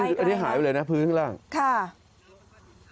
อันนี้หายไปเลยนะพื้นข้างล่างค่ะไปกันเลยครับค่ะ